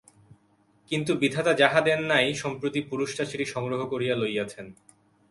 কিন্তু বিধাতা যাহা দেন নাই সম্প্রতি পুরুষরা সেটি সংগ্রহ করিয়া লইয়াছেন।